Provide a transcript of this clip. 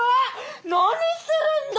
何するんだ！